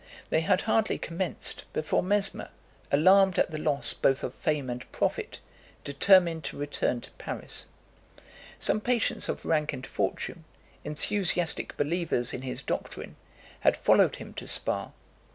They had hardly commenced, before Mesmer, alarmed at the loss both of fame and profit, determined to return to Paris. Some patients of rank and fortune, enthusiastic believers in his doctrine, had followed him to Spa.